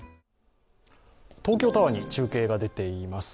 東京タワーに中継が出ています。